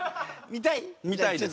見たいですね。